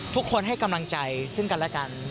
ทุกคนให้กำลังใจซึ่งกันและกัน